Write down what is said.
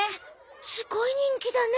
すごい人気だね。